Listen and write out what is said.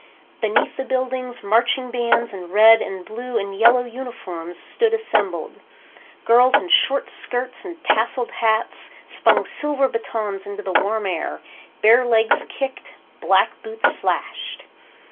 Beneath the buildings, marching bands in red and blue and yellow uniforms stood assembled. Girls in short skirts and tasseled hats spun silver batons into the warm air. Bare legs kicked. Black boots flashed.